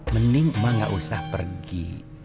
mending emang gak usah pergi